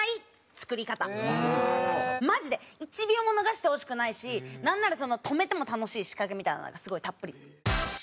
マジで１秒も逃してほしくないしなんなら止めても楽しい仕掛けみたいなのがすごいたっぷり。